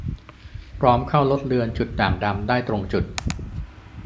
พร้อมเข้าลดเลือนจุดด่างดำได้ตรงจุด